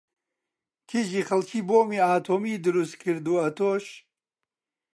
کیژی خەڵکی بۆمی ئاتۆمی دروست کرد و ئەتۆش